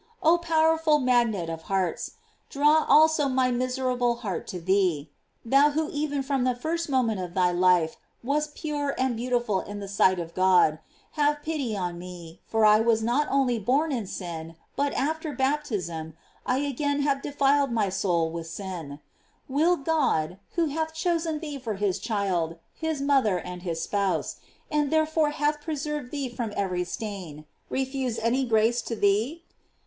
Oh powerful magnet of hearts, draw also my miserable heart to thee. Thou who even from the first moment of thy life wast pure and beautiful in the sight of God, have pity on me, for I was not only born in sin, but after baptism, I again have defiled my soul with sin Will God, who hath chosen thee for hii GLORIES OP MABT. Z?l child, hia mother, and his spouse, and therefore hath preserved thee from every stain, refuse any grace to thee?